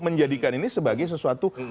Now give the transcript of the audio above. menjadikan ini sebagai sesuatu